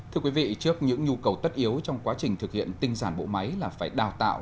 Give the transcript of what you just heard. thưa quý vị trước những nhu cầu tất yếu trong quá trình thực hiện tinh giản bộ máy là phải đào tạo